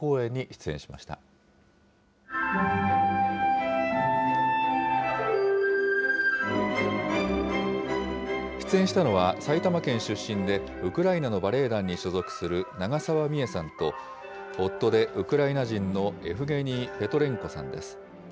出演したのは、埼玉県出身で、ウクライナのバレエ団に所属する長澤美絵さんと、夫でウクライナ人のエフゲニー・ぺトレンコさんです。